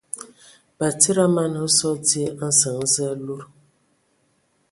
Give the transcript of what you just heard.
Batsidi a mana hm sɔ dzyē a nsəŋ Zǝə a ludǝtu.